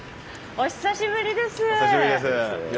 お久しぶりです。